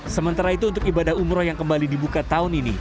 sementara itu untuk ibadah umroh yang kembali dibuka tahun ini